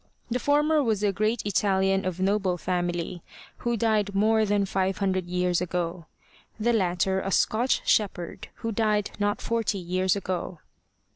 The former was a great Italian of noble family, who died more than five hundred years ago; the latter a Scotch shepherd who died not forty years ago.